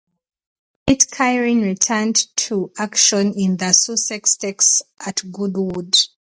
Pitcairn returned to action in the Sussex Stakes at Goodwood.